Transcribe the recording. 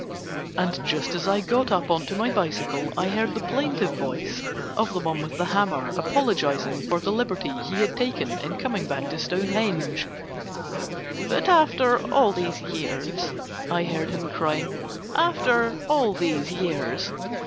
And just as I got up on to my bicycle I heard the plaintive voice of the one with the hammer apologizing for the liberty he had taken in coming back to Stonehenge. "But after all these years," I heard him crying, "After all these years...."